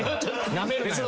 なめるなよ。